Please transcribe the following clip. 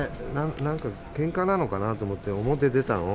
なんかけんかなのかなと思って、表出たの。